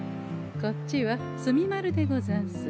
こっちは墨丸でござんす。